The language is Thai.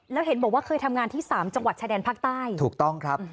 แล้วเห็นบอกว่าเคยทำงานที่๓จังหวัดชายแดนภาคใต้